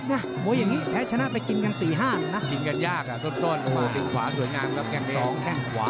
ฉันยากจะยานเลยมันเบียดนะ